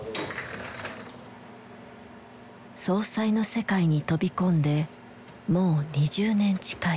葬祭の世界に飛び込んでもう２０年近い。